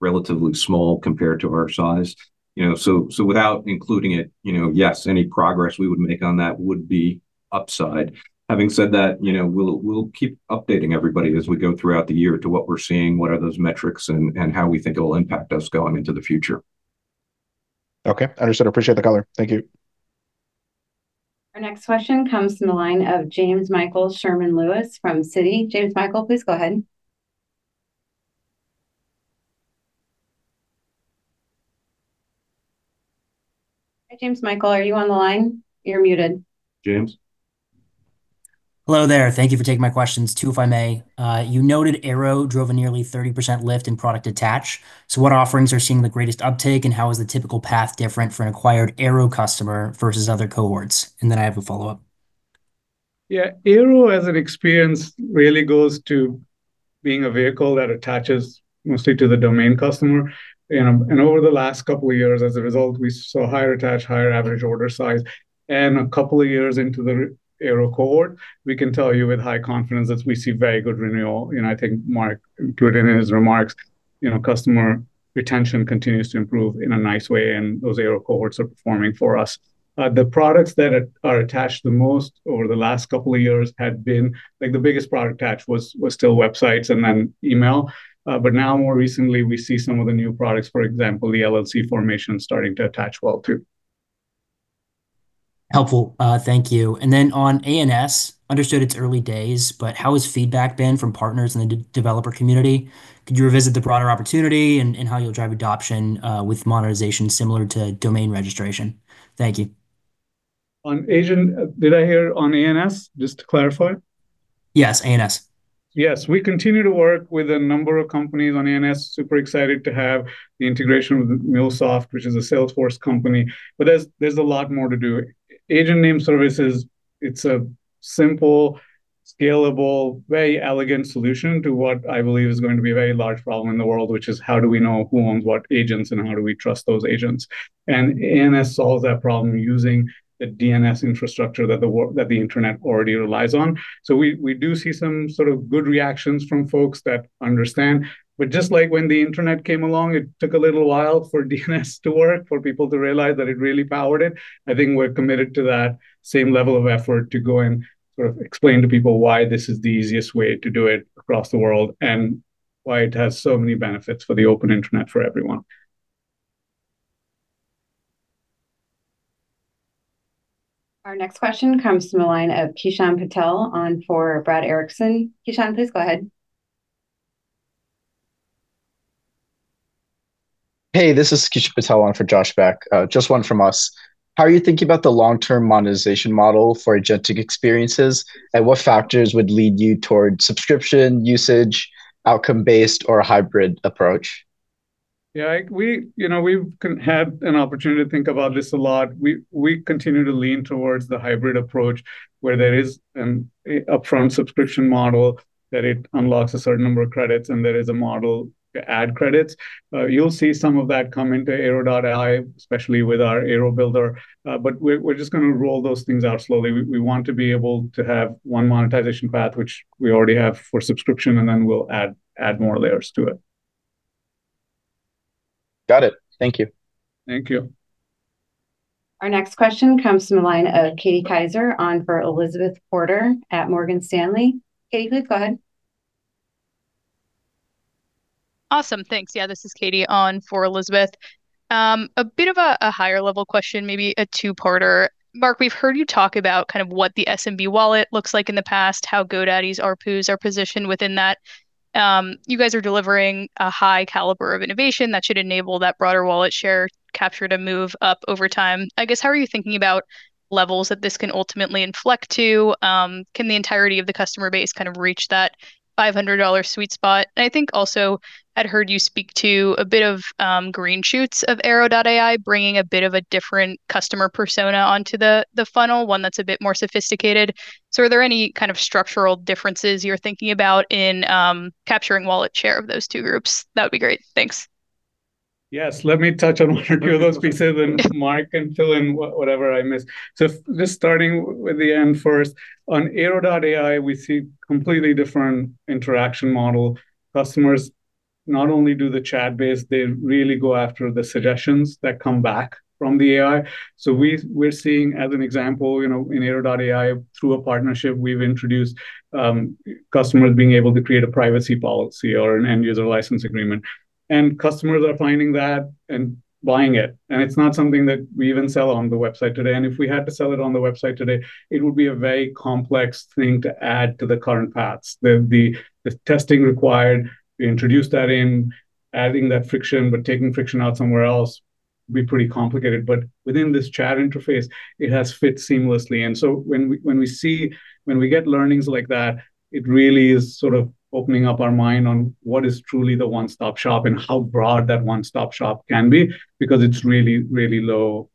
relatively small compared to our size, you know, so without including it, you know, yes, any progress we would make on that would be upside. Having said that, you know, we'll keep updating everybody as we go throughout the year to what we're seeing, what are those metrics, and how we think it will impact us going into the future. Okay. Understood. I appreciate the color. Thank you. Our next question comes from the line of James Michael Sherman-Lewis from Citi. James Michael, please go ahead. Hi, James Michael, are you on the line? You're muted. James? Hello there. Thank you for taking my questions, two, if I may. You noted Airo drove a nearly 30% lift in product attach, what offerings are seeing the greatest uptake, and how is the typical path different for an acquired Airo customer versus other cohorts? Then I have a follow-up. Yeah, Airo as an experience really goes to being a vehicle that attaches mostly to the domain customer, and over the last couple of years, as a result, we saw higher attach, higher average order size. A couple of years into the Airo cohort, we can tell you with high confidence that we see very good renewal. You know, I think Mark included in his remarks, you know, customer retention continues to improve in a nice way, and those Airo cohorts are performing for us. The products that are attached the most over the last couple of years had been. Like, the biggest product attach was still websites and then email. Now more recently, we see some of the new products, for example, the LLC formation, starting to attach well too. Helpful. Thank you. Then on ANS, understood it's early days, but how has feedback been from partners in the developer community? Could you revisit the broader opportunity and how you'll drive adoption, with monetization similar to domain registration? Thank you. Did I hear on ANS, just to clarify? Yes, ANS. We continue to work with a number of companies on ANS. Super excited to have the integration with MuleSoft, which is a Salesforce company. There's a lot more to do. Agent Name Services, it's a simple, scalable, very elegant solution to what I believe is going to be a very large problem in the world, which is how do we know who owns what agents, and how do we trust those agents? ANS solves that problem using the DNS infrastructure that the internet already relies on. We do see some sort of good reactions from folks that understand. Just like when the internet came along, it took a little while for DNS to work, for people to realize that it really powered it. I think we're committed to that same level of effort to go and sort of explain to people why this is the easiest way to do it across the world and why it has so many benefits for the open internet for everyone. Our next question comes from the line of Kishan Patel on for Brad Ericksen. Kishan, please go ahead. Hey, this is Kishan Patel on for Josh Beck. Just one from us. How are you thinking about the long-term monetization model for agentic experiences, and what factors would lead you toward subscription, usage, outcome-based, or a hybrid approach? Yeah, I, you know, we've had an opportunity to think about this a lot. We continue to lean towards the hybrid approach, where there is an upfront subscription model, that it unlocks a certain number of credits, and there is a model to add credits. You'll see some of that come into Airo.ai, especially with our Airo builder, but we're just gonna roll those things out slowly. We want to be able to have one monetization path, which we already have for subscription, and then we'll add more layers to it. Got it. Thank you. Thank you. Our next question comes from the line of Katie Kaiser, on for Elizabeth Porter at Morgan Stanley. Katie, please go ahead. Awesome. Thanks. Yeah, this is Katie on for Elizabeth. A bit of a higher level question, maybe a two-parter. Mark, we've heard you talk about kind of what the SMB wallet looks like in the past, how GoDaddy's ARPUs are positioned within that. You guys are delivering a high caliber of innovation that should enable that broader wallet share capture to move up over time. I guess, how are you thinking about levels that this can ultimately inflect to? Can the entirety of the customer base kind of reach that $500 sweet spot? I think also I'd heard you speak to a bit of green shoots of Airo.ai, bringing a bit of a different customer persona onto the funnel, one that's a bit more sophisticated. Are there any kind of structural differences you're thinking about in capturing wallet share of those two groups? That would be great. Thanks. Yes, let me touch on one or two of those pieces, and Mark can fill in whatever I miss. Just starting with the end first, on Airo.ai, we see completely different interaction model. Customers not only do the chat-based, they really go after the suggestions that come back from the AI. We're seeing, as an example, you know, in Airo.ai, through a partnership, we've introduced customers being able to create a privacy policy or an end-user license agreement. Customers are finding that and buying it, and it's not something that we even sell on the website today. If we had to sell it on the website today, it would be a very complex thing to add to the current paths. The testing required, we introduce that in, adding that friction, but taking friction out somewhere else, would be pretty complicated. Within this chat interface, it has fit seamlessly. When we get learnings like that, it really is sort of opening up our mind on what is truly the one-stop shop and how broad that one-stop shop can be, because it's really low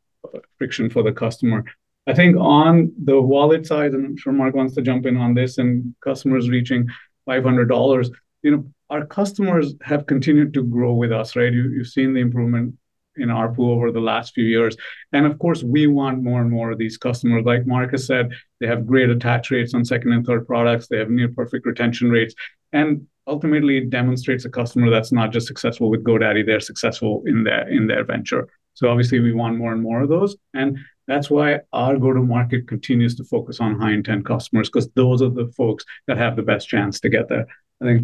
friction for the customer. I think on the wallet side, and I'm sure Mark wants to jump in on this, and customers reaching $500, you know, our customers have continued to grow with us, right? You've seen the improvement in ARPU over the last few years, and of course, we want more and more of these customers. Like Mark has said, they have great attach rates on second and third products. They have near perfect retention rates, and ultimately, it demonstrates a customer that's not just successful with GoDaddy, they're successful in their, in their venture. Obviously, we want more and more of those, and that's why our go-to-market continues to focus on high-intent customers, because those are the folks that have the best chance to get there. I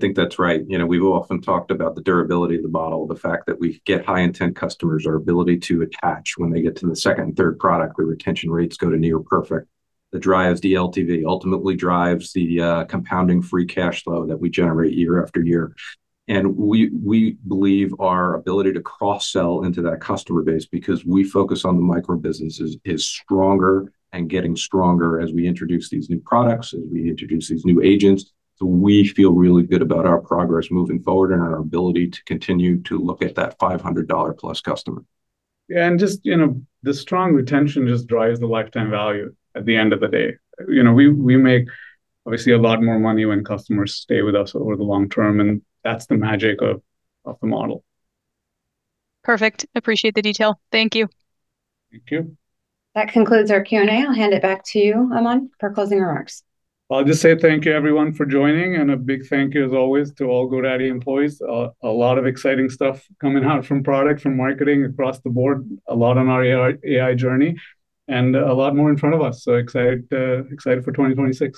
think that's right. You know, we've often talked about the durability of the model, the fact that we get high-intent customers, our ability to attach when they get to the second and third product, where retention rates go to near perfect. That drives the LTV, ultimately drives the compounding free cash flow that we generate year after year. We believe our ability to cross-sell into that customer base, because we focus on the micro-businesses, is stronger and getting stronger as we introduce these new products, as we introduce these new agents. We feel really good about our progress moving forward and our ability to continue to look at that $500-plus customer. Yeah, just, you know, the strong retention just drives the lifetime value at the end of the day. You know, we make, obviously, a lot more money when customers stay with us over the long term, that's the magic of the model. Perfect. Appreciate the detail. Thank you. Thank you. That concludes our Q&A. I'll hand it back to you, Aman, for closing remarks. I'll just say thank you, everyone, for joining, and a big thank you, as always, to all GoDaddy employees. A lot of exciting stuff coming out from product, from marketing across the board, a lot on our AI journey, and a lot more in front of us. Excited for 2026.